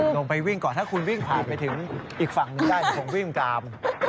ลงไปวิ่งก่อนถ้าคุณวิ่งผ่านไปถึงอีกฝั่งนึงได้คงวิ่งตาม